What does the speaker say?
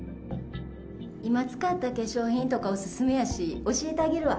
今使った化粧品とか、お勧めやし、教えてあげるわ。